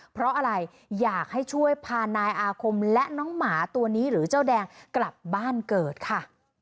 เพราะอะไรอยากให้ช่วยพานายอาคมและน้องหมาตัวนี้หรือเจ้าแดงกลับบ้านเกิดค่ะ